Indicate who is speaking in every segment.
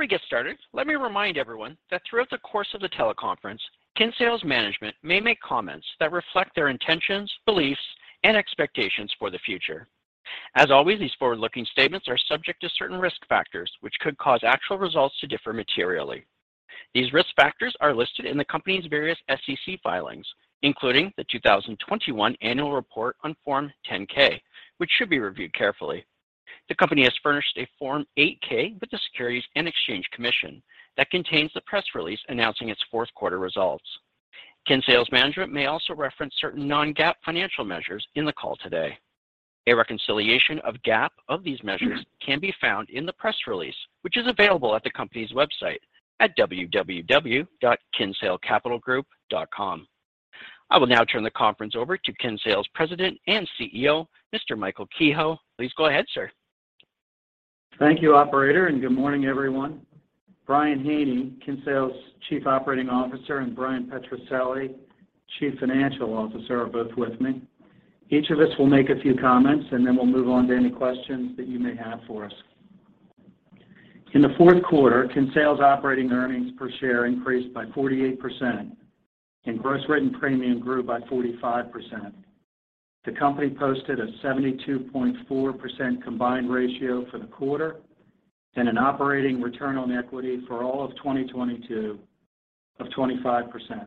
Speaker 1: Before we get started, let me remind everyone that throughout the course of the teleconference, Kinsale's management may make comments that reflect their intentions, beliefs, and expectations for the future. These forward-looking statements are subject to certain risk factors, which could cause actual results to differ materially. These risk factors are listed in the company's various SEC filings, including the 2021 annual report on Form 10-K, which should be reviewed carefully. The company has furnished a Form 8-K with the Securities and Exchange Commission that contains the press release announcing its Q4 results. Kinsale's management may also reference certain non-GAAP financial measures in the call today. A reconciliation of GAAP of these measures can be found in the press release, which is available at the company's website at www.kinsalecapitalgroup.com. I will now turn the conference over to Kinsale's President and CEO, Mr. Michael Kehoe. Please go ahead, sir.
Speaker 2: Thank you, operator. Good morning, everyone. Brian Haney, Kinsale's Chief Operating Officer, and Bryan Petrucelli, Chief Financial Officer, are both with me. Each of us will make a few comments. Then we'll move on to any questions that you may have for us. In the Q4, Kinsale's operating earnings per share increased by 48% and gross written premium grew by 45%. The company posted a 72.4% combined ratio for the quarter and an operating return on equity for all of 2022 of 25%.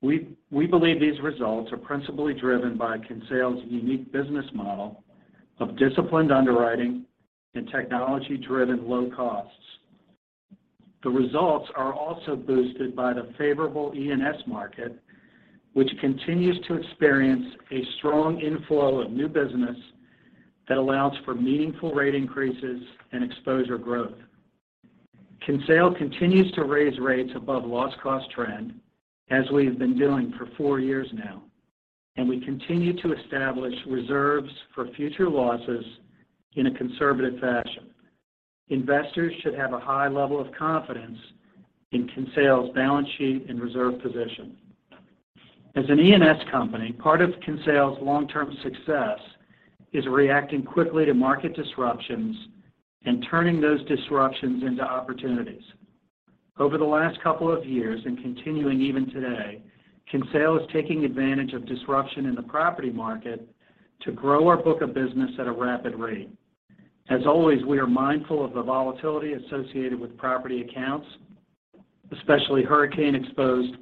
Speaker 2: We believe these results are principally driven by Kinsale's unique business model of disciplined underwriting and technology-driven low costs. The results are also boosted by the favorable E&S market, which continues to experience a strong inflow of new business that allows for meaningful rate increases and exposure growth. Kinsale continues to raise rates above loss cost trend, as we have been doing for four years now, and we continue to establish reserves for future losses in a conservative fashion. Investors should have a high level of confidence in Kinsale's balance sheet and reserve position. As an E&S company, part of Kinsale's long-term success is reacting quickly to market disruptions and turning those disruptions into opportunities. Over the last couple of years, and continuing even today, Kinsale is taking advantage of disruption in the property market to grow our book of business at a rapid rate. As always, we are mindful of the volatility associated with property accounts, especially hurricane-exposed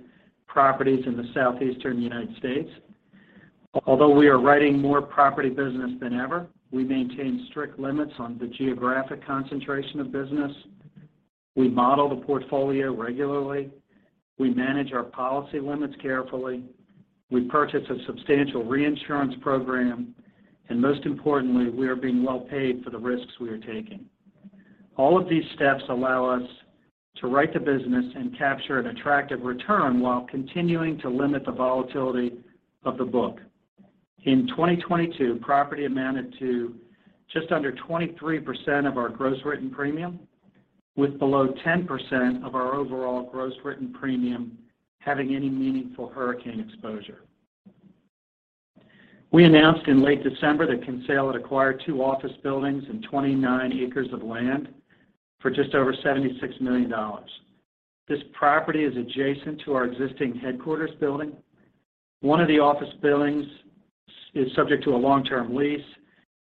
Speaker 2: properties in the Southeastern United States. Although we are writing more property business than ever, we maintain strict limits on the geographic concentration of business. We model the portfolio regularly. We manage our policy limits carefully. We purchase a substantial reinsurance program, and most importantly, we are being well paid for the risks we are taking. All of these steps allow us to write the business and capture an attractive return while continuing to limit the volatility of the book. In 2022, property amounted to just under 23% of our gross written premium, with below 10% of our overall gross written premium having any meaningful hurricane exposure. We announced in late December that Kinsale had acquired two office buildings and 29 acres of land for just over $76 million. This property is adjacent to our existing headquarters building. One of the office buildings is subject to a long-term lease.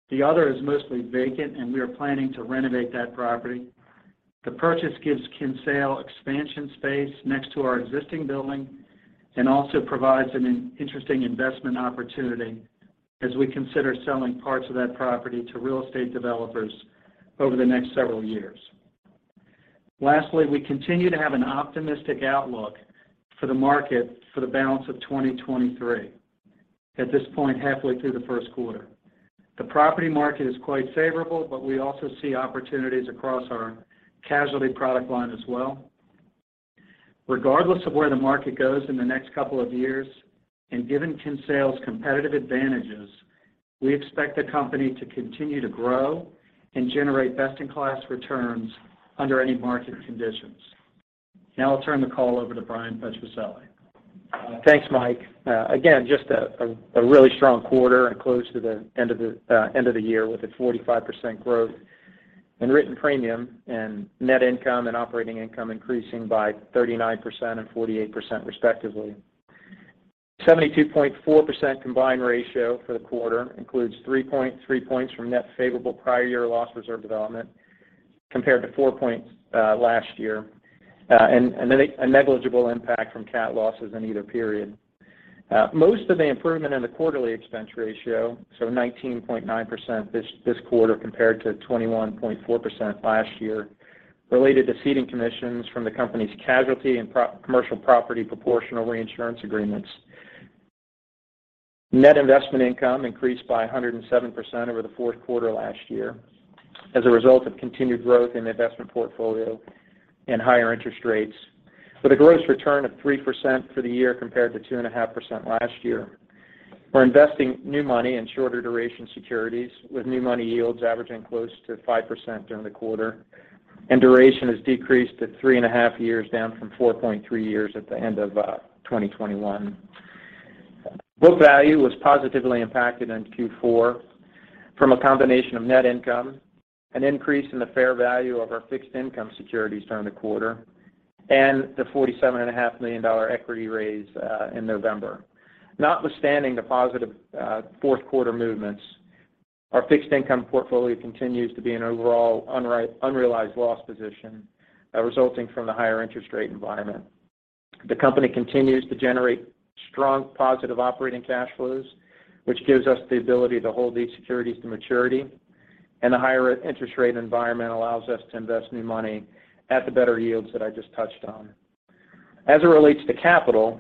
Speaker 2: The other is mostly vacant, and we are planning to renovate that property. The purchase gives Kinsale expansion space next to our existing building and also provides an interesting investment opportunity as we consider selling parts of that property to real estate developers over the next several years. Lastly, we continue to have an optimistic outlook for the market for the balance of 2023 at this point halfway through the Q1. The property market is quite favorable, but we also see opportunities across our casualty product line as well. Regardless of where the market goes in the next couple of years, and given Kinsale's competitive advantages, we expect the company to continue to grow and generate best-in-class returns under any market conditions. Now I'll turn the call over to Bryan Petrucelli.
Speaker 3: Thanks, Mike. Again, just a really strong quarter and close to the end of the year with a 45% growth in written premium and net income and operating income increasing by 39% and 48% respectively. 72.4% combined ratio for the quarter includes 3.3 points from net favorable prior year loss reserve development compared to four points last year, and then a negligible impact from cat losses in either period. Most of the improvement in the quarterly expense ratio, so 19.9% this quarter compared to 21.4% last year, related to ceding commissions from the company's casualty and pro-commercial property proportional reinsurance agreements. Net investment income increased by 107% over the Q4 last year as a result of continued growth in investment portfolio and higher interest rates, with a gross return of 3% for the year compared to 2.5% last year. We're investing new money in shorter duration securities, with new money yields averaging close to 5% during the quarter, and duration has decreased to 3.5 years, down from 4.3 years at the end of 2021. Book value was positively impacted in Q4 from a combination of net income, an increase in the fair value of our fixed income securities during the quarter, and the $47million and a $500 million equity raise in November. Notwithstanding the positive, Q4 movements, our fixed income portfolio continues to be an overall unrealized loss position, resulting from the higher interest rate environment. The company continues to generate strong positive operating cash flows, which gives us the ability to hold these securities to maturity, and the higher interest rate environment allows us to invest new money at the better yields that I just touched on. As it relates to capital,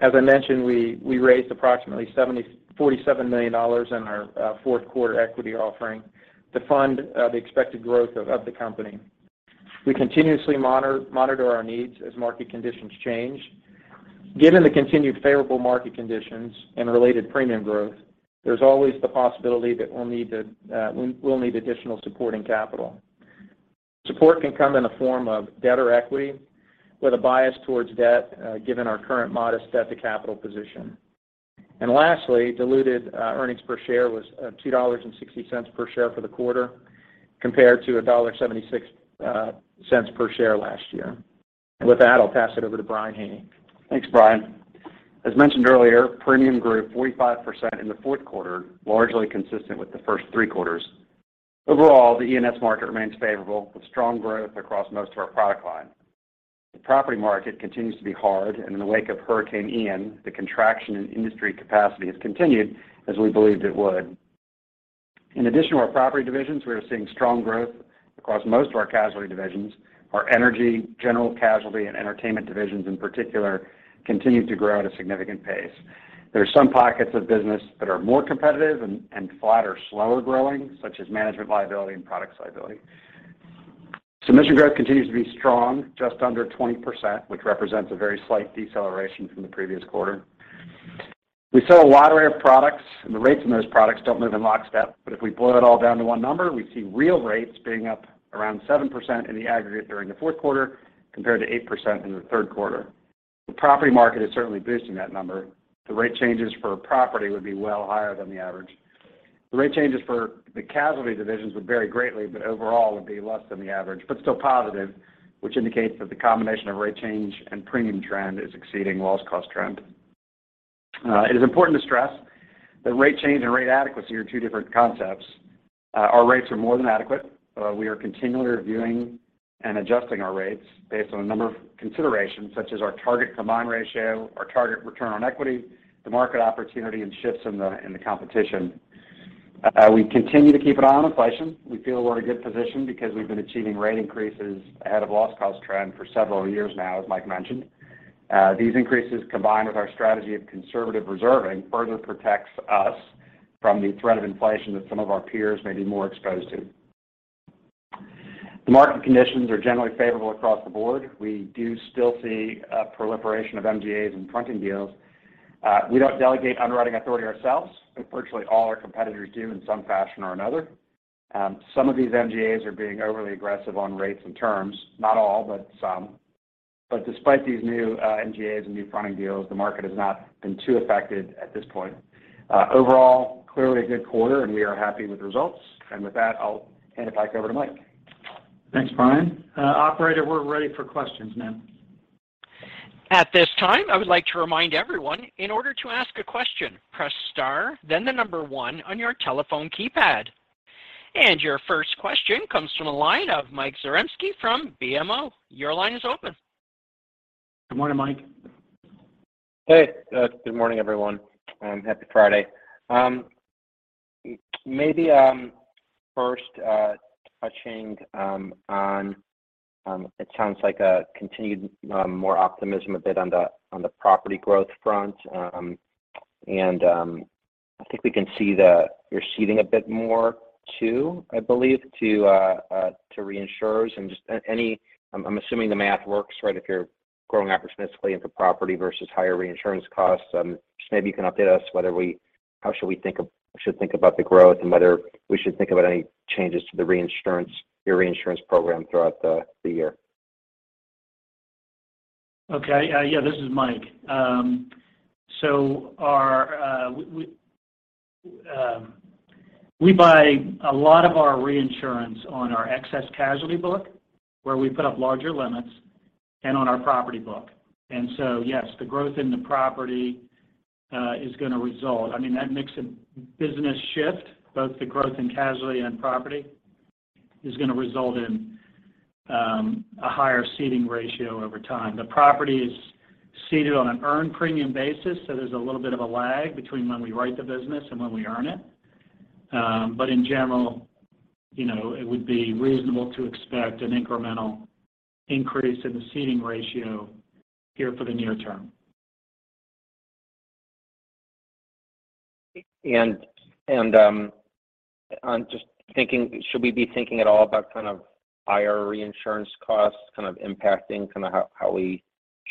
Speaker 3: as I mentioned, we raised approximately $47 million in our Q4 equity offering to fund the expected growth of the company. We continuously monitor our needs as market conditions change. Given the continued favorable market conditions and related premium growth, there's always the possibility that we'll need additional supporting capital. Support can come in the form of debt or equity, with a bias towards debt, given our current modest debt-to-capital position. Lastly, diluted earnings per share was $2.60 per share for the quarter compared to $1.76 per share last year. With that, I'll pass it over to Brian Haney.
Speaker 4: Thanks, Brian. As mentioned earlier, premium grew 45% in the Q4, largely consistent with the first three quarters. Overall, the E&S market remains favorable with strong growth across most of our product line. The property market continues to be hard, and in the wake of Hurricane Ian, the contraction in industry capacity has continued as we believed it would. In addition to our property divisions, we are seeing strong growth across most of our casualty divisions. Our energy, general casualty, and entertainment divisions in particular continue to grow at a significant pace. There are some pockets of business that are more competitive and flat or slower growing, such as Management liability and Product liability. Submission growth continues to be strong, just under 20%, which represents a very slight deceleration from the previous quarter. We sell a wide array of products, and the rates in those products don't move in lockstep. If we boil it all down to one number, we see real rates being up around 7% in the aggregate during the Q4 compared to 8% in the Q3. The property market is certainly boosting that number. The rate changes for property would be well higher than the average. The rate changes for the casualty divisions would vary greatly, but overall would be less than the average, but still positive, which indicates that the combination of rate change and premium trend is exceeding loss cost trend. It is important to stress that rate change and rate adequacy are two different concepts. Our rates are more than adequate. We are continually reviewing and adjusting our rates based on a number of considerations, such as our target combined ratio, our target return on equity, the market opportunity and shifts in the competition. We continue to keep an eye on inflation. We feel we're in a good position because we've been achieving rate increases ahead of loss cost trend for several years now, as Mike mentioned. These increases, combined with our strategy of conservative reserving, further protects us from the threat of inflation that some of our peers may be more exposed to. The market conditions are generally favorable across the board. We do still see a proliferation of MGAs and fronting deals. We don't delegate underwriting authority ourselves, but virtually all our competitors do in some fashion or another. Some of these MGAs are being overly aggressive on rates and terms, not all, but some. Despite these new MGAs and new fronting deals, the market has not been too affected at this point. Overall, clearly a good quarter, and we are happy with the results. With that, I'll hand it back over to Mike.
Speaker 2: Thanks, Brian. operator, we're ready for questions now.
Speaker 1: At this time, I would like to remind everyone, in order to ask a question, press star, then the number one on your telephone keypad. Your first question comes from the line of Mike Zaremski from BMO. Your line is open.
Speaker 3: Good morning, Mike.
Speaker 5: Hey, good morning, everyone, and happy Friday. Maybe first touching on it sounds like a continued more optimism a bit on the property growth front. And I think we can see that you're ceding a bit more too, I believe, to reinsurers. And I'm assuming the math works, right? If you're growing opportunistically into property versus higher reinsurance costs. Just maybe you can update us whether how should we think about the growth and whether we should think about any changes to your reinsurance program throughout the year.
Speaker 2: Okay. Yeah, this is Mike. Our, we buy a lot of our reinsurance on our excess casualty book, where we put up larger limits and on our property book. Yes, the growth in the property is gonna result. I mean, that mix of business shift, both the growth in casualty and property, is gonna result in a higher ceding ratio over time. The property is ceded on an earned premium basis, so there's a little bit of a lag between when we write the business and when we earn it. In general, you know, it would be reasonable to expect an incremental increase in the ceding ratio here for the near term.
Speaker 5: I'm just thinking, should we be thinking at all about kind of higher reinsurance costs kind of impacting kind of how we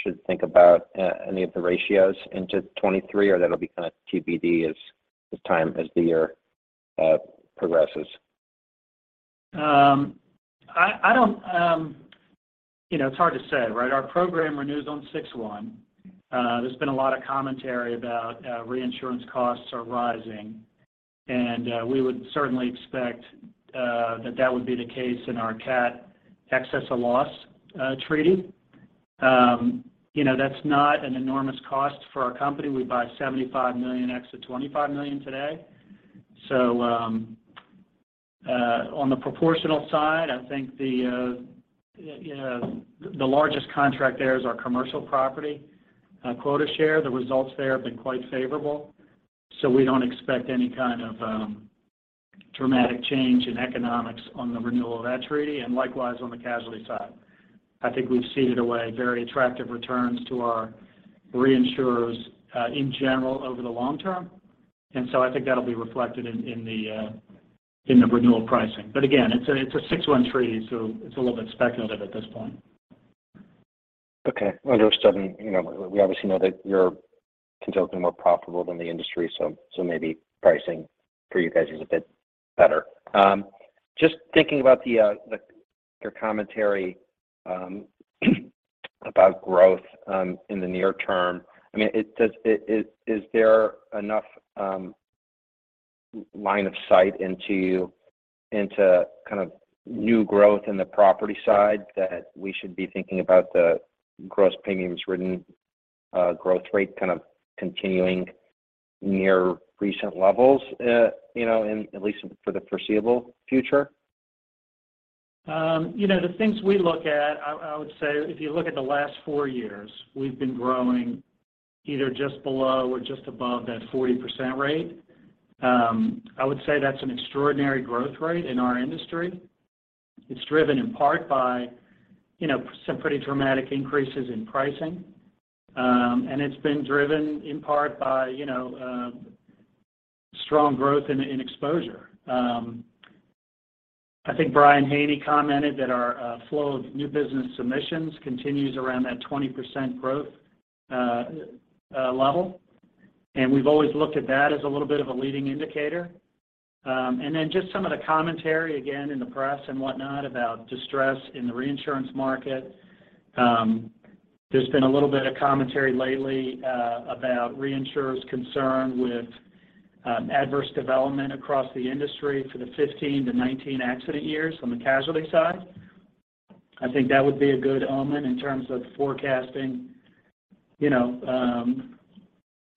Speaker 5: should think about any of the ratios into 2023? That'll be kind of TBD as the year progresses?
Speaker 2: I don't. You know, it's hard to say, right? Our program renews on 6/1. There's been a lot of commentary about reinsurance costs are rising, and we would certainly expect that that would be the case in our catastrophe excess of loss treaty. You know, that's not an enormous cost for our company. We buy $75 million ex of $25 million today. On the proportional side, I think the, you know, the largest contract there is our commercial property quota share. The results there have been quite favorable, so we don't expect any kind of dramatic change in economics on the renewal of that treaty, and likewise on the casualty side. I think we've ceded away very attractive returns to our reinsurers in general over the long term. I think that'll be reflected in the in the renewal pricing. It's a six one treaty, so it's a little bit speculative at this point. Understand. You know, we obviously know that your results are more profitable than the industry, so maybe pricing for you guys is a bit better. Just thinking about your commentary about growth in the near term. I mean, is there enough line of sight into kind of new growth in the property side that we should be thinking about the gross premiums written growth rate kind of continuing near recent levels, you know, in at least for the foreseeable future? You know, the things we look at, I would say if you look at the last four years, we've been growing either just below or just above that 40% rate. I would say that's an extraordinary growth rate in our industry. It's driven in part by, you know, some pretty dramatic increases in pricing. It's been driven in part by, you know, strong growth in exposure. I think Brian Haney commented that our flow of new business submissions continues around that 20% growth level. We've always looked at that as a little bit of a leading indicator. Then just some of the commentary again in the press and whatnot about distress in the reinsurance market. There's been a little bit of commentary lately about reinsurers' concern with adverse development across the industry for the 15 to 19 accident year on the casualty side. I think that would be a good omen in terms of forecasting, you know,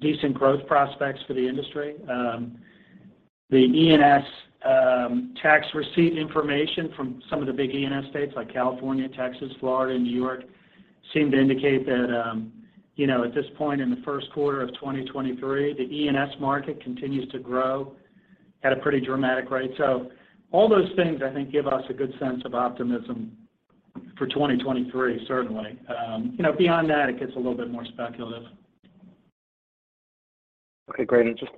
Speaker 2: decent growth prospects for the industry. The E&S tax receipt information from some of the big E&S states like California, Texas, Florida, and New York seem to indicate that, you know, at this point in the first quarter of 2023, the E&S market continues to grow at a pretty dramatic rate. All those things I think give us a good sense of optimism for 2023, certainly. You know, beyond that, it gets a little bit more speculative.
Speaker 5: Okay, great. Just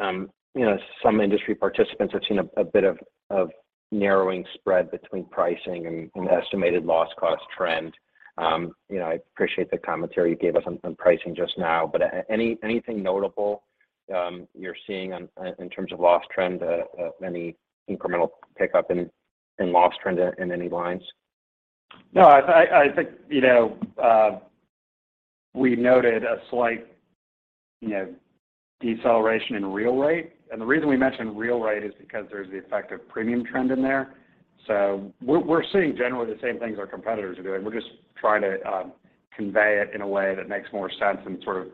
Speaker 5: lastly, you know, some industry participants have seen a bit of narrowing spread between pricing and estimated loss cost trend. You know, I appreciate the commentary you gave us on pricing just now, but anything notable you're seeing on in terms of loss trend, any incremental pickup in loss trend in any lines?
Speaker 2: No, I think, you know, we noted a slight, you know, deceleration in real rate. The reason we mentioned real rate is because there's the effect of premium trend in there. We're seeing generally the same things our competitors are doing. We're just trying to convey it in a way that makes more sense and sort of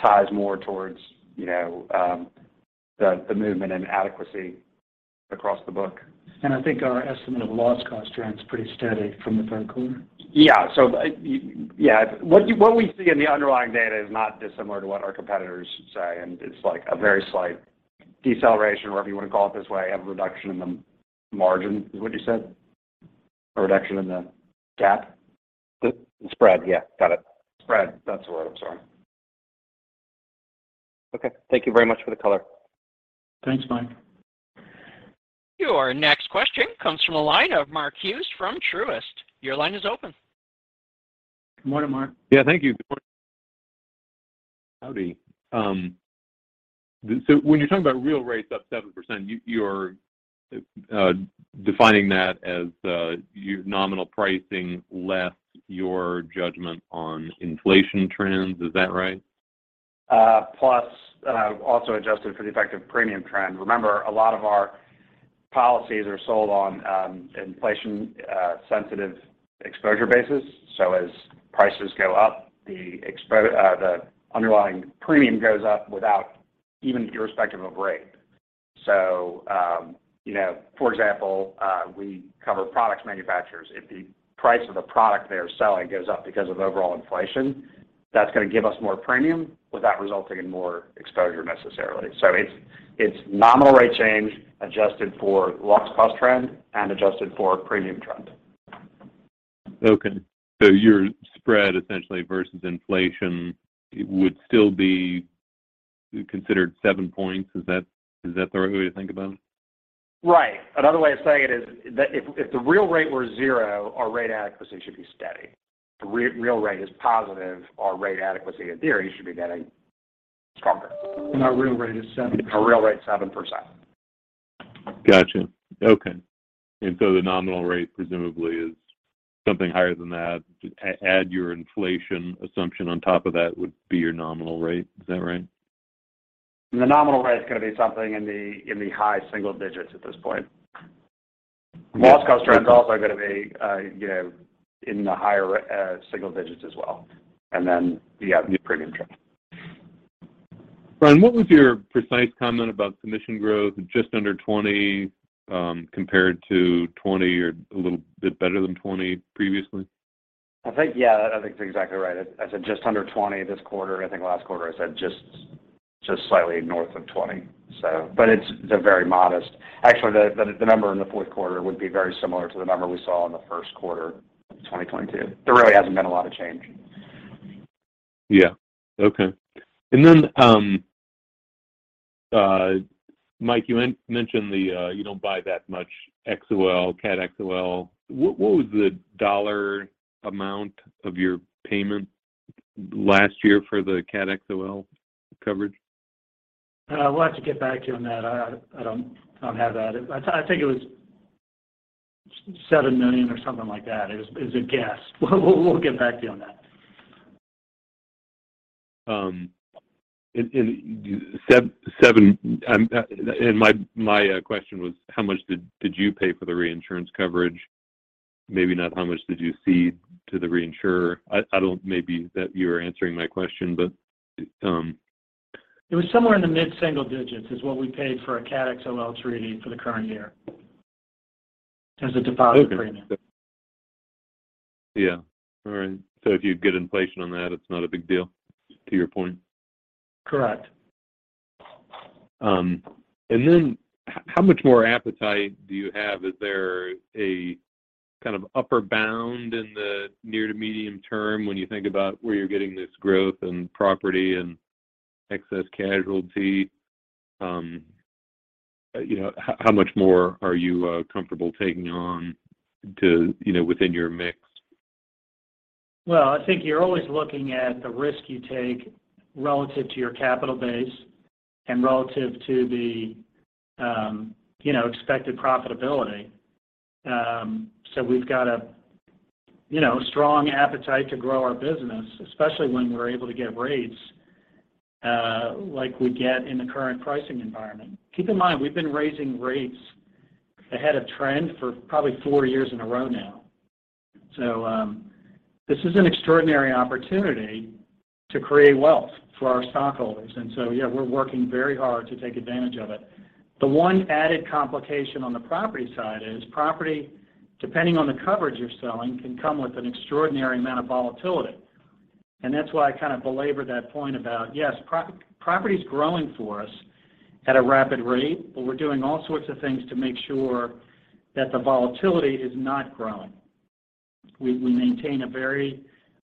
Speaker 2: ties more towards, you know, the movement and adequacy across the book. I think our estimate of loss cost trend's pretty steady from the Q3. Yeah. Yeah. What we see in the underlying data is not dissimilar to what our competitors say, and it's like a very slight deceleration or whatever you want to call it this way, a reduction in the margin, is what you said?
Speaker 5: A reduction in the gap? The spread, yeah. Got it.
Speaker 2: Spread. That's the word I'm sorry.
Speaker 5: Okay. Thank you very much for the color.
Speaker 2: Thanks, Mike.
Speaker 1: Your next question comes from the line of Mark Hughes from Truist. Your line is open.
Speaker 2: Good morning, Mark.
Speaker 6: Yeah, thank you. Good morning. Howdy. When you're talking about real rates up 7%, you're defining that as your nominal pricing less your judgment on inflation trends. Is that right?
Speaker 2: Plus, also adjusted for the effective premium trend. Remember, a lot of our policies are sold on, inflation sensitive exposure basis. As prices go up, the underlying premium goes up without even irrespective of rate. you know, for example, we cover products manufacturers. If the price of the product they're selling goes up because of overall inflation, that's gonna give us more premium without resulting in more exposure necessarily. It's, it's nominal rate change adjusted for loss cost trend and adjusted for premium trend.
Speaker 6: Okay. Your spread essentially versus inflation would still be considered seven points. Is that the right way to think about it?
Speaker 2: Right. Another way of saying it is that if the real rate were zero, our rate adequacy should be steady. real rate is positive, our rate adequacy in theory should be getting
Speaker 4: Stronger. Our real rate is 7%.
Speaker 6: Gotcha. Okay. The nominal rate presumably is something higher than that. To add your inflation assumption on top of that would be your nominal rate. Is that right?
Speaker 4: The nominal rate is going to be something in the, in the high single digits at this point. Loss cost trends also are going to be, you know, in the higher single digits as well. You have the premium trend.
Speaker 6: Brian, what was your precise comment about commission growth just under 20%, compared to 20% or a little bit better than 20% previously?
Speaker 4: I think, yeah, that I think is exactly right. I said just under 20 this quarter. I think last quarter, I said just slightly north of 20. It's, they're very modest. Actually, the number in the Q4 would be very similar to the number we saw in the first quarter of 2022. There really hasn't been a lot of change.
Speaker 6: Yeah. Okay. Mike, you mentioned the, you don't buy that much XOL, cat XOL. What was the dollar amount of your payment last year for the cat XOL coverage?
Speaker 2: We'll have to get back to you on that. I don't have that. I think it was $7 million or something like that. It is a guess. We'll get back to you on that.
Speaker 6: My question was how much did you pay for the reinsurance coverage? Maybe not how much did you cede to the reinsurer. I don't. Maybe that you are answering my question.
Speaker 2: It was somewhere in the mid-single digits is what we paid for a cat XOL treaty for the current year as a deposit premium.
Speaker 6: Okay. Yeah. All right. If you get inflation on that, it's not a big deal to your point.
Speaker 2: Correct.
Speaker 6: Then how much more appetite do you have? Is there a kind of upper bound in the near to medium term when you think about where you're getting this growth in property and excess casualty? You know, how much more are you comfortable taking on to, you know, within your mix?
Speaker 2: Well, I think you're always looking at the risk you take relative to your capital base and relative to the, you know, expected profitability. We've got a, you know, strong appetite to grow our business, especially when we're able to get rates, like we get in the current pricing environment. Keep in mind, we've been raising rates ahead of trend for probably four years in a row now. This is an extraordinary opportunity to create wealth for our stockholders. Yeah, we're working very hard to take advantage of it. The one added complication on the property side is property, depending on the coverage you're selling, can come with an extraordinary amount of volatility. That's why I kind of belabor that point about, yes, property is growing for us at a rapid rate, but we're doing all sorts of things to make sure that the volatility is not growing. We maintain a very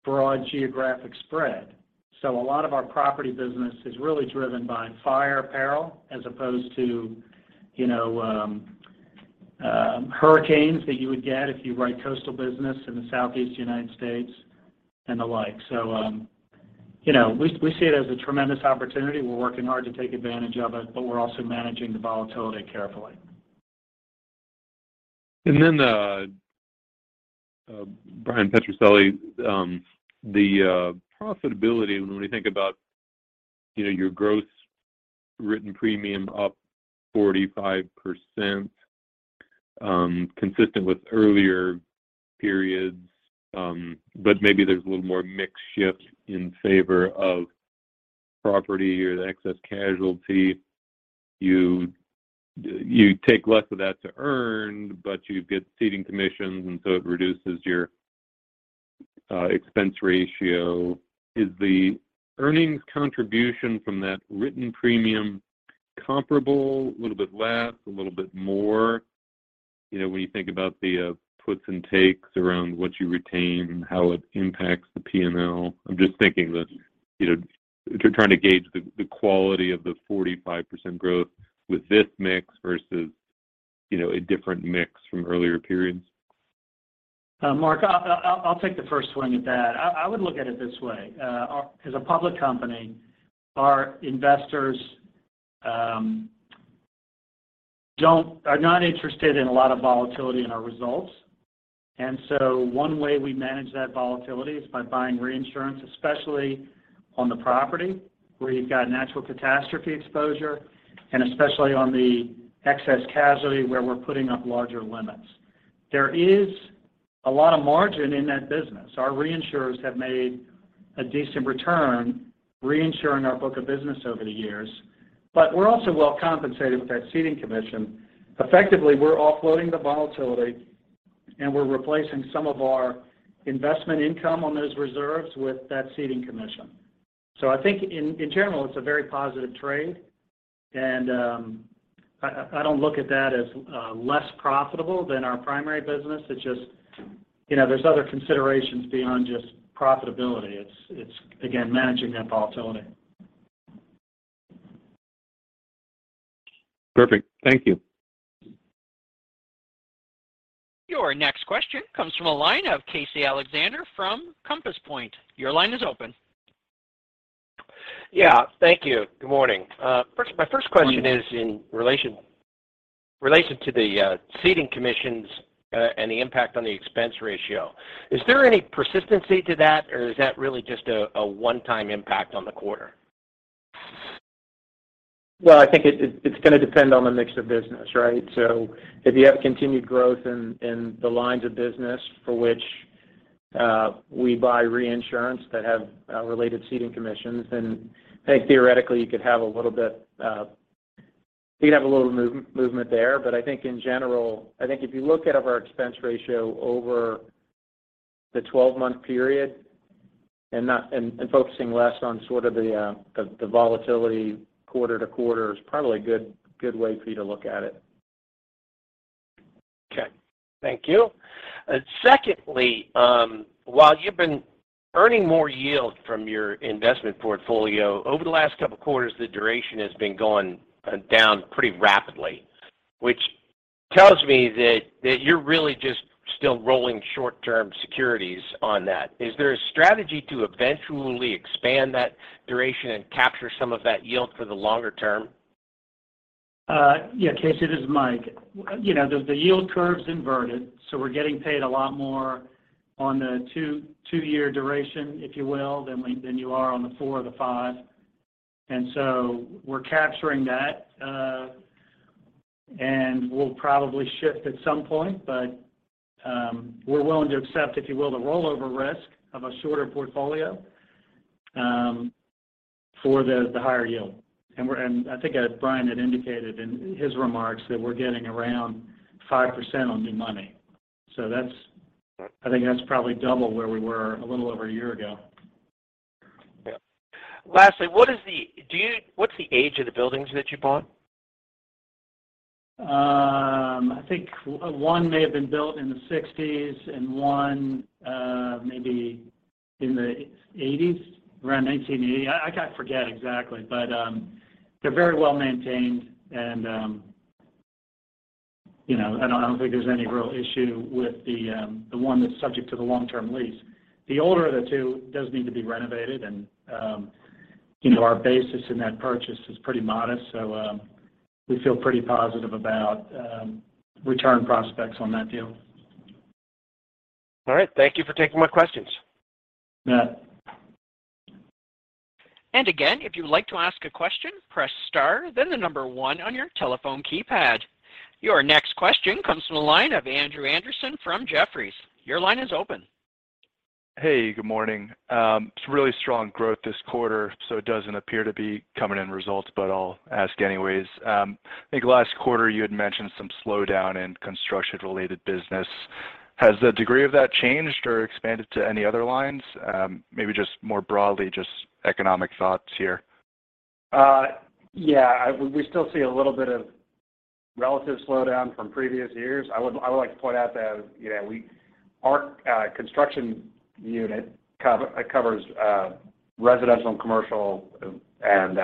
Speaker 2: broad geographic spread, so a lot of our property business is really driven by fire peril as opposed to, you know, hurricanes that you would get if you write coastal business in the Southeast United States and the like. You know, we see it as a tremendous opportunity. We're working hard to take advantage of it, but we're also managing the volatility carefully.
Speaker 6: Bryan Petrucelli, the profitability when we think about, you know, your gross written premium up 45%, consistent with earlier periods, maybe there's a little more mix shift in favor of property or the excess casualty. You take less of that to earn, but you get ceding commissions, it reduces your expense ratio. Is the earnings contribution from that written premium comparable, a little bit less, a little bit more? You know, when you think about the puts and takes around what you retain and how it impacts the P&L. I'm just thinking that, you know, trying to gauge the quality of the 45% growth with this mix versus, you know, a different mix from earlier periods.
Speaker 2: Mark, I'll take the first swing at that. I would look at it this way. As a public company, our investors are not interested in a lot of volatility in our results. One way we manage that volatility is by buying reinsurance, especially on the property where you've got natural catastrophe exposure, and especially on the excess casualty where we're putting up larger limits. There is a lot of margin in that business. Our reinsurers have made a decent return reinsuring our book of business over the years, but we're also well compensated with that ceding commission. Effectively, we're offloading the volatility, and we're replacing some of our investment income on those reserves with that ceding commission. I think in general, it's a very positive trade. I don't look at that as less profitable than our primary business. It's just, you know, there's other considerations beyond just profitability. It's, it's again, managing that volatility.
Speaker 6: Perfect. Thank you.
Speaker 1: Our next question comes from a line of Casey Alexander from Compass Point. Your line is open.
Speaker 7: Yeah. Thank you. Good morning. My first question is in relation to the ceding commissions and the impact on the expense ratio. Is there any persistency to that, or is that really just a one-time impact on the quarter?
Speaker 2: Well, I think it's gonna depend on the mix of business, right? If you have continued growth in the lines of business for which we buy reinsurance that have related ceding commissions, then I think theoretically you could have a little bit, you'd have a little movement there. I think in general, I think if you look at of our expense ratio over the 12-month period and focusing less on sort of the volatility quarter to quarter is probably a good way for you to look at it.
Speaker 7: Okay. Thank you. Secondly, while you've been earning more yield from your investment portfolio over the last couple quarters, the duration has been going down pretty rapidly, which tells me that you're really just still rolling short-term securities on that. Is there a strategy to eventually expand that duration and capture some of that yield for the longer term?
Speaker 2: Yeah, Casey Alexander, this is Michael Kehoe. You know, the yield curve's inverted, so we're getting paid a lot more on the two-year duration, if you will, than you are on the four or the five. We're capturing that, and we'll probably shift at some point. We're willing to accept, if you will, the rollover risk of a shorter portfolio, for the higher yield. I think as Brian Haney had indicated in his remarks, that we're getting around 5% on new money.
Speaker 7: Right...
Speaker 2: I think that's probably double where we were a little over a year ago.
Speaker 7: Yeah. Lastly, what's the age of the buildings that you bought?
Speaker 2: I think one may have been built in the 1960s and one maybe in the 1980s, around 1980. I forget exactly, but they're very well maintained and, you know, I don't think there's any real issue with the one that's subject to the long-term lease. The older of the two does need to be renovated and, you know, our basis in that purchase is pretty modest, so we feel pretty positive about return prospects on that deal.
Speaker 7: All right. Thank you for taking my questions.
Speaker 2: Yeah.
Speaker 1: Again, if you'd like to ask a question, press star then one on your telephone keypad. Your next question comes from the line of Andrew Andersen from Jefferies. Your line is open.
Speaker 8: Good morning. Some really strong growth this quarter, it doesn't appear to be coming in results, but I'll ask anyways. I think last quarter you had mentioned some slowdown in construction-related business. Has the degree of that changed or expanded to any other lines? Maybe just more broadly, just economic thoughts here.
Speaker 2: Yeah. We still see a little bit of relative slowdown from previous years. I would like to point out that, you know, our construction unit covers residential and commercial and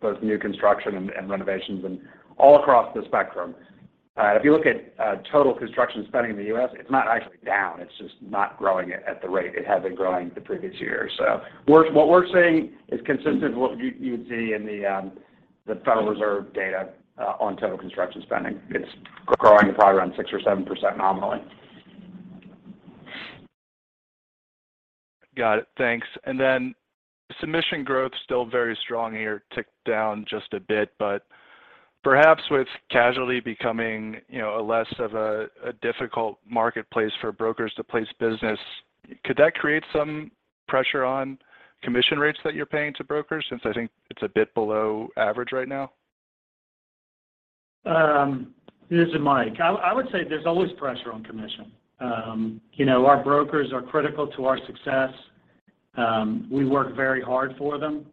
Speaker 2: both new construction and renovations and all across the spectrum. If you look at total construction spending in the U.S., it's not actually down, it's just not growing at the rate it had been growing the previous year. What we're seeing is consistent with what you'd see in the Federal Reserve data on total construction spending. It's growing probably around 6% or 7% nominally.
Speaker 8: Got it. Thanks. Submission growth still very strong here, ticked down just a bit, but perhaps with casualty becoming, you know, a less of a difficult marketplace for brokers to place business, could that create some pressure on commission rates that you're paying to brokers since I think it's a bit below average right now?
Speaker 2: This is Mike. I would say there's always pressure on commission. You know, our brokers are critical to our success. We work very hard for them.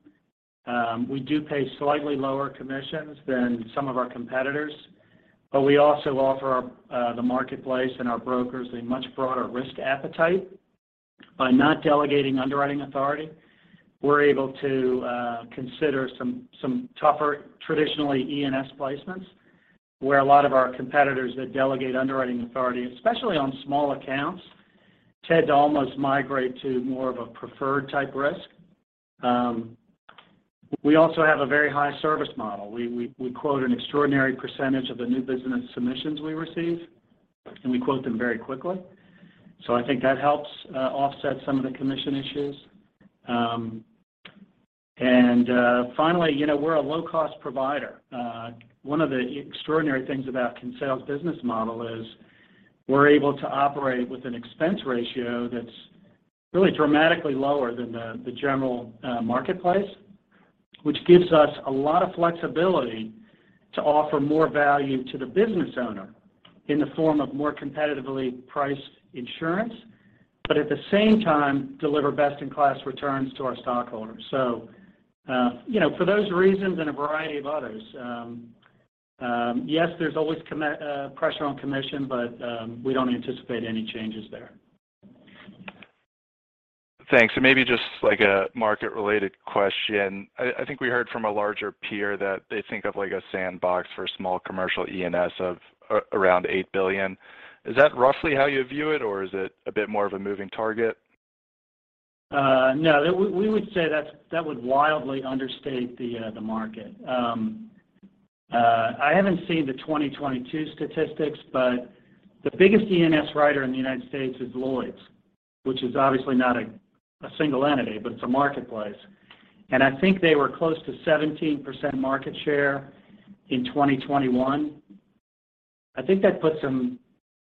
Speaker 2: We do pay slightly lower commissions than some of our competitors, but we also offer our the marketplace and our brokers a much broader risk appetite. By not delegating underwriting authority, we're able to consider some tougher traditionally E&S placements, where a lot of our competitors that delegate underwriting authority, especially on small accounts, tend to almost migrate to more of a preferred type risk. We also have a very high service model. We quote an extraordinary percentage of the new business submissions we receive, and we quote them very quickly. I think that helps offset some of the commission issues. Finally, you know, we're a low-cost provider. One of the extraordinary things about Kinsale's business model is we're able to operate with an expense ratio that's really dramatically lower than the general marketplace, which gives us a lot of flexibility to offer more value to the business owner in the form of more competitively priced insurance, but at the same time, deliver best-in-class returns to our stockholders. You know, for those reasons and a variety of others, yes, there's always pressure on commission, but we don't anticipate any changes there.
Speaker 8: Thanks. Maybe just like a market related question. I think we heard from a larger peer that they think of like a sandbox for small commercial E&S of around $8 billion. Is that roughly how you view it, or is it a bit more of a moving target?
Speaker 2: No. We would say that would wildly understate the market. I haven't seen the 2022 statistics, but the biggest E&S writer in the United States is Lloyd's, which is obviously not a single entity, but it's a marketplace. I think they were close to 17% market share in 2021. I think that puts them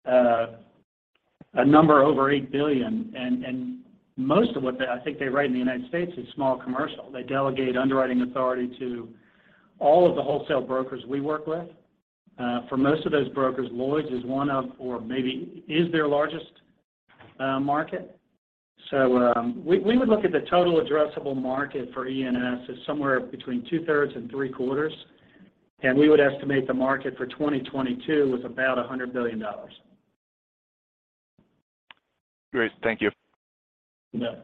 Speaker 2: a number over $8 billion. Most of what they write in the United States is small commercial. They delegate underwriting authority to all of the wholesale brokers we work with. For most of those brokers, Lloyd's is one of or maybe is their largest market. We would look at the total addressable market for E&S as somewhere between 2/3 and 3/4, and we would estimate the market for 2022 was about $100 billion.
Speaker 8: Great. Thank you.
Speaker 2: Yeah.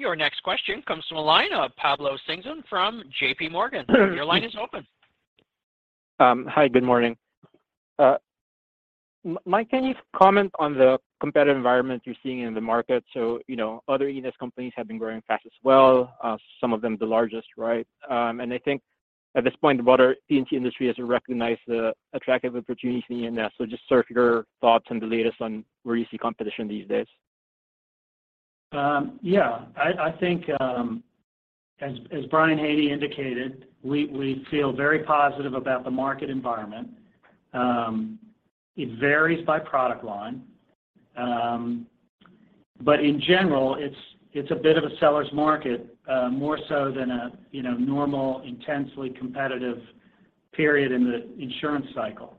Speaker 1: Your next question comes from the line of Pablo Singzon from J.P. Morgan. Your line is open.
Speaker 9: Hi, good morning. Mike, can you comment on the competitive environment you're seeing in the market? You know, other E&S companies have been growing fast as well, some of them the largest, right? I think at this point, the broader P&C industry has recognized the attractive opportunity in E&S. Just sort of your thoughts and the latest on where you see competition these days.
Speaker 2: Yeah. I think, as Brian Haney indicated, we feel very positive about the market environment. It varies by product line. In general, it's a bit of a seller's market, more so than a, you know, normal, intensely competitive period in the insurance cycle.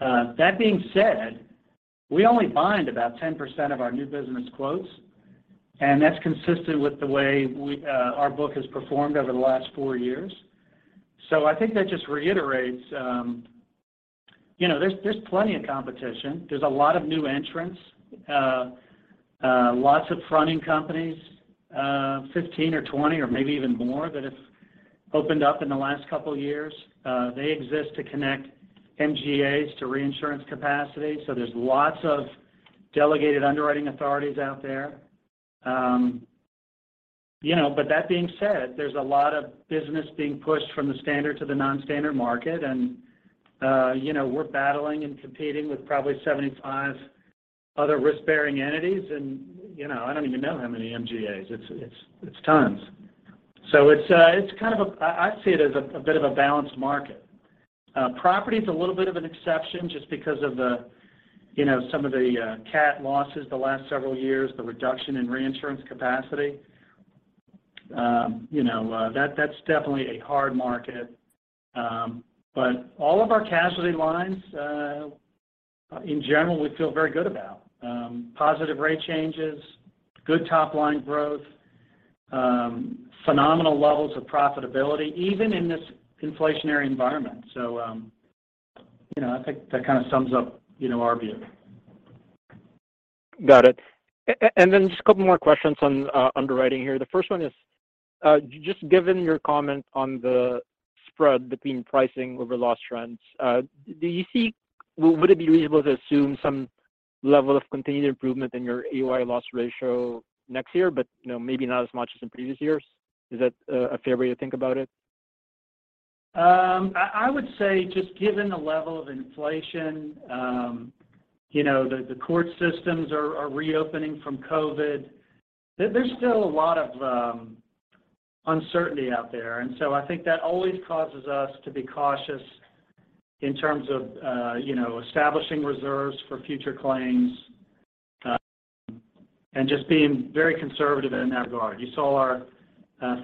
Speaker 2: That being said, we only bind about 10% of our new business quotes, and that's consistent with the way our book has performed over the last four years. I think that just reiterates, you know, there's plenty of competition. There's a lot of new entrants, lots of fronting companies, 15 or 20 or maybe even more that have opened up in the last couple of years. They exist to connect MGAs to reinsurance capacity, so there's lots of delegated underwriting authorities out there. you know, that being said, there's a lot of business being pushed from the standard to the non-standard market and, you know, we're battling and competing with probably 75 other risk-bearing entities and, you know, I don't even know how many MGAs. It's tons. I see it as a bit of a balanced market. Property is a little bit of an exception just because of the, you know, some of the cat losses the last several years, the reduction in reinsurance capacity. you know, that's definitely a hard market. All of our casualty lines, in general, we feel very good about. Positive rate changes, good top-line growth, phenomenal levels of profitability, even in this inflationary environment. you know, I think that kind of sums up, you know, our view.
Speaker 9: Got it. Then just a couple more questions on underwriting here. The first one is, just given your comment on the spread between pricing over loss trends, would it be reasonable to assume some level of continued improvement in your AOY loss ratio next year, but, you know, maybe not as much as in previous years? Is that a fair way to think about it?
Speaker 2: I would say just given the level of inflation, you know, the court systems are reopening from COVID. There's still a lot of uncertainty out there. I think that always causes us to be cautious in terms of, you know, establishing reserves for future claims, and just being very conservative in that regard. You saw our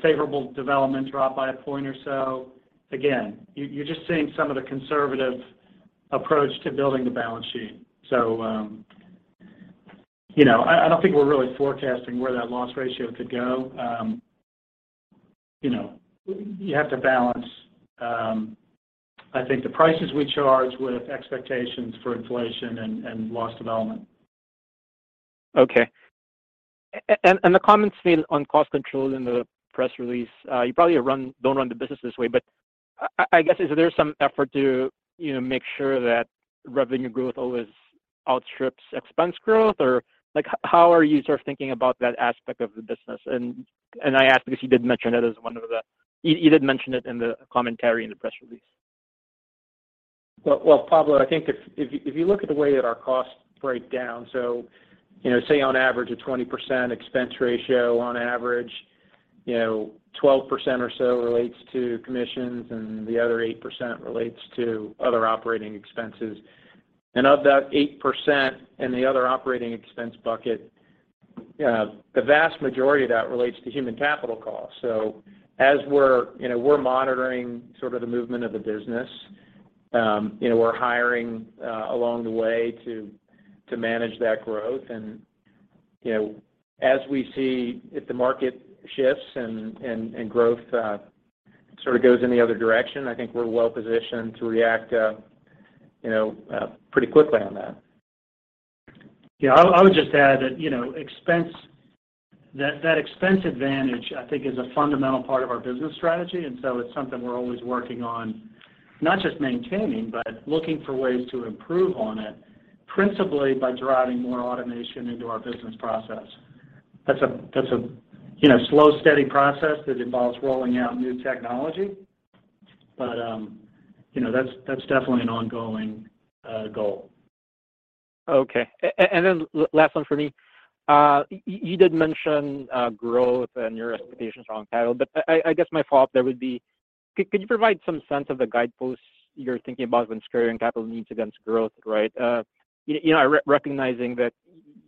Speaker 2: favorable development drop by a point or so. Again, you're just seeing some of the conservative approach to building the balance sheet. You know, I don't think we're really forecasting where that loss ratio could go. You know, you have to balance, I think the prices we charge with expectations for inflation and loss development.
Speaker 9: Okay. The comments made on cost controls in the press release, you probably don't run the business this way, but I guess is there some effort to, you know, make sure that revenue growth always outstrips expense growth? Like, how are you sort of thinking about that aspect of the business? I ask because you did mention it as one of the... You did mention it in the commentary in the press release.
Speaker 2: Well, well, Pablo, I think if you look at the way that our costs break down, you know, say on average a 20% expense ratio on average, you know, 12% or so relates to commissions, and the other 8% relates to other operating expenses. Of that 8% in the other operating expense bucket, the vast majority of that relates to human capital costs. As we're, you know, we're monitoring sort of the movement of the business, you know, we're hiring along the way to manage that growth. You know, as we see if the market shifts and growth sort of goes in the other direction, I think we're well-positioned to react.
Speaker 6: You know, pretty quickly on that.
Speaker 2: I would just add that, you know, expense advantage, I think, is a fundamental part of our business strategy, it's something we're always working on, not just maintaining, but looking for ways to improve on it, principally by driving more automation into our business process. That's a, you know, slow, steady process that involves rolling out new technology. you know, that's definitely an ongoing goal.
Speaker 9: Okay. Last one from me. You did mention growth and your expectations around title, but I guess my follow-up there would be, could you provide some sense of the guideposts you're thinking about when securing capital needs against growth, right? You know, recognizing that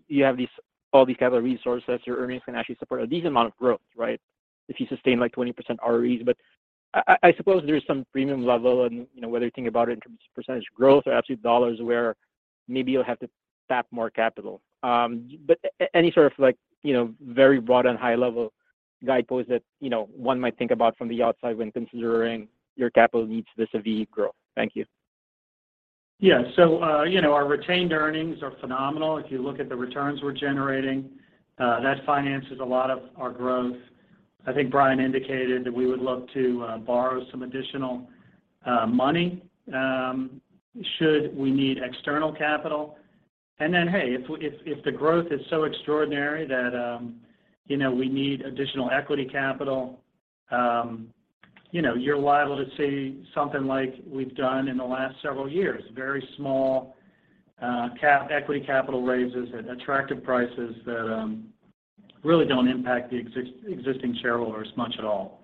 Speaker 9: you have these all these capital resources, your earnings can actually support a decent amount of growth, right? If you sustain like 20% ROEs. I suppose there's some premium level and, you know, whether you think about it in terms of percentage growth or absolute dollars where maybe you'll have to tap more capital. Any sort of like, you know, very broad and high level guideposts that, you know, one might think about from the outside when considering your capital needs versus the growth. Thank you.
Speaker 2: You know, our retained earnings are phenomenal. If you look at the returns we're generating, that finances a lot of our growth. I think Brian indicated that we would look to borrow some additional money, should we need external capital. Hey, if the growth is so extraordinary that, you know, we need additional equity capital, you know, you're liable to see something like we've done in the last several years, very small equity capital raises at attractive prices that really don't impact the existing shareholders much at all.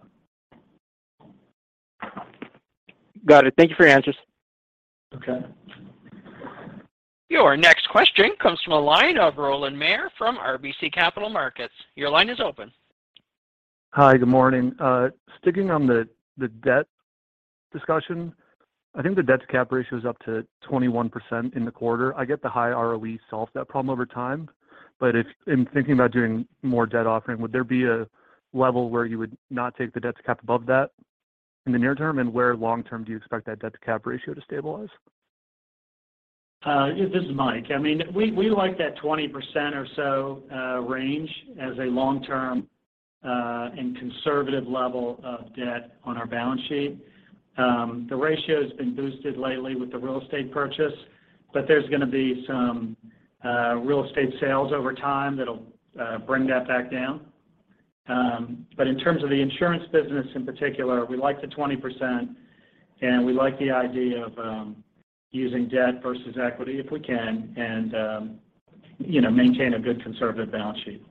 Speaker 9: Got it. Thank you for your answers.
Speaker 2: Okay.
Speaker 1: Your next question comes from a line of Rowland Mayor from RBC Capital Markets. Your line is open.
Speaker 10: Hi, good morning. Sticking on the debt discussion, I think the debt to cap ratio is up to 21% in the quarter. I get the high ROE solves that problem over time. If in thinking about doing more debt offering, would there be a level where you would not take the debt to cap above that in the near term? Where long-term do you expect that debt to cap ratio to stabilize?
Speaker 2: This is Mike. I mean, we like that 20% or so, range as a long-term, and conservative level of debt on our balance sheet. The ratio has been boosted lately with the real estate purchase, but there's gonna be some real estate sales over time that'll bring that back down. In terms of the insurance business in particular, we like the 20%, and we like the idea of using debt versus equity if we can and you know, maintain a good conservative balance sheet.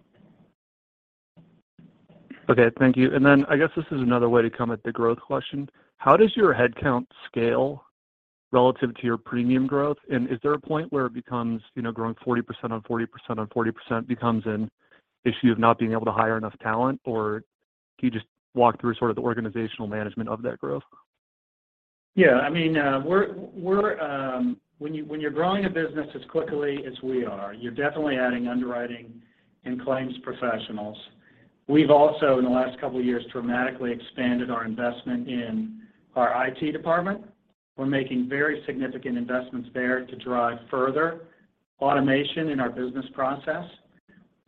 Speaker 10: Okay, thank you. I guess this is another way to come at the growth question. How does your headcount scale relative to your premium growth? Is there a point where it becomes, you know, growing 40% on 40% on 40% becomes an issue of not being able to hire enough talent? Do you just walk through sort of the organizational management of that growth?
Speaker 2: I mean, when you're growing a business as quickly as we are, you're definitely adding underwriting and claims professionals. We've also, in the last couple of years, dramatically expanded our investment in our IT department. We're making very significant investments there to drive further automation in our business process.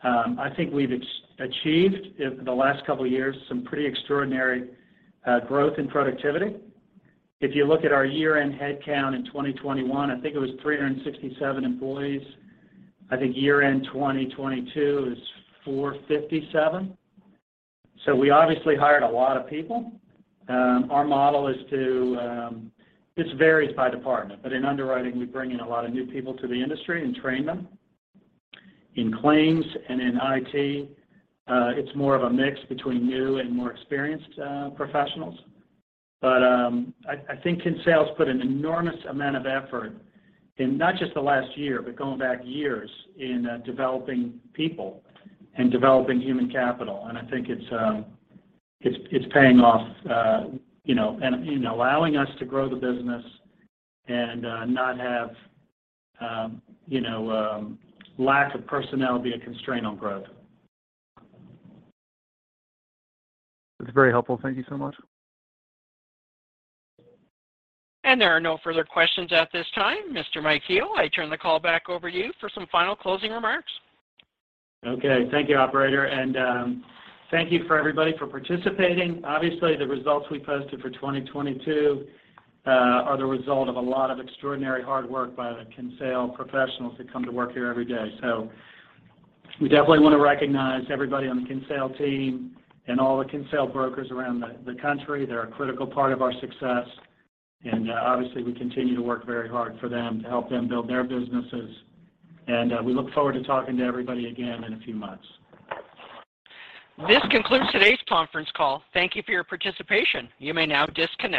Speaker 2: I think we've achieved in the last couple of years some pretty extraordinary growth and productivity. If you look at our year-end headcount in 2021, I think it was 367 employees. I think year-end 2022 is 457. We obviously hired a lot of people. Our model is to, this varies by department, but in underwriting, we bring in a lot of new people to the industry and train them. In claims and in IT, it's more of a mix between new and more experienced professionals. I think Kinsale's put an enormous amount of effort in not just the last year, but going back years in developing people and developing human capital. I think it's, it's paying off, you know, and, you know, allowing us to grow the business and not have, you know, lack of personnel be a constraint on growth.
Speaker 10: That's very helpful. Thank you so much.
Speaker 1: There are no further questions at this time. Mr. Michael Kehoe, I turn the call back over you for some final closing remarks.
Speaker 2: Okay. Thank you, operator. Thank you for everybody for participating. Obviously, the results we posted for 2022 are the result of a lot of extraordinary hard work by the Kinsale professionals that come to work here every day. We definitely want to recognize everybody on the Kinsale team and all the Kinsale brokers around the country. They're a critical part of our success. Obviously, we continue to work very hard for them to help them build their businesses. We look forward to talking to everybody again in a few months.
Speaker 1: This concludes today's conference call. Thank you for your participation. You may now disconnect.